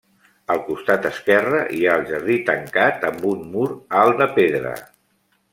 Al costat esquerre hi ha el jardí tancat amb un mur alt de pedra.